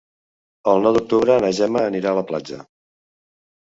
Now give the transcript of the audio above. El nou d'octubre na Gemma anirà a la platja.